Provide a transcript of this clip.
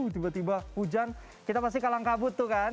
tiba tiba hujan kita pasti kalang kabut tuh kan